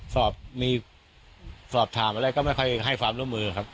สอบมีสอบถามอะไรก็ไม่ค่อยให้ความร่วมมือครับ